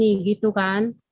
gini gitu kan